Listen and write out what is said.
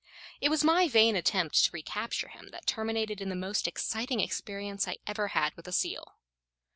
It was my vain attempt to recapture him that terminated in the most exciting experience I ever had with a seal.